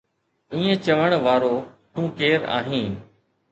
ائين چوڻ وارو تون ڪير آهين؟